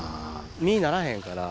実ならへんから。